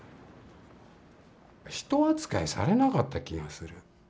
人扱いされなかった気がする。